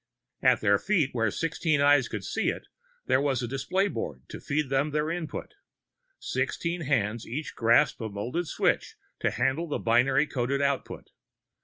At their feet, where sixteen eyes could see it, was the display board to feed them their Input. Sixteen hands each grasped a molded switch to handle their binary coded Output.